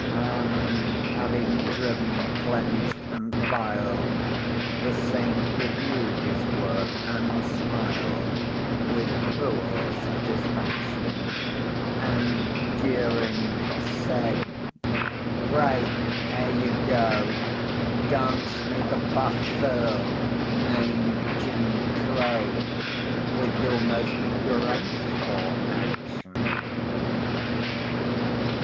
And having driven, clenched, and filed, The saint reviewed his work, and smiled With cruel satisfaction; And jeering said, "Pray, ere you go, Dance me the pas seul named 'Jim Crow,' With your most graceful action."